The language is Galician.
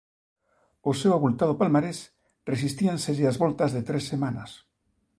Ao seu avultado palmarés resistíanselle as voltas de tres semanas.